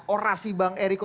orasi bang eriko